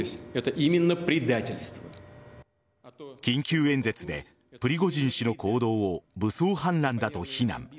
緊急演説でプリゴジン氏の行動を武装反乱だと非難。